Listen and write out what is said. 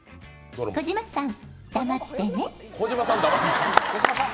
「児嶋さん、黙ってね」。